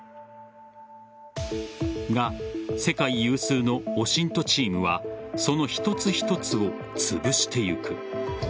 が、世界有数のＯＳＩＮＴチームはその一つ一つを潰していく。